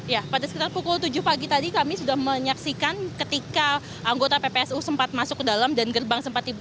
ya pada sekitar pukul tujuh pagi tadi kami sudah menyaksikan ketika anggota ppsu sempat masuk ke dalam dan gerbang sempat dibuka